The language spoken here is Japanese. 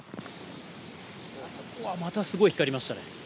うわ、またすごい光りましたね。